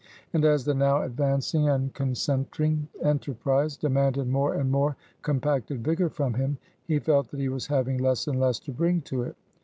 And as the now advancing and concentring enterprise demanded more and more compacted vigor from him, he felt that he was having less and less to bring to it.